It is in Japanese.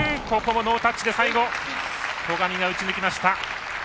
ここもノータッチで最後、戸上が打ち抜きました。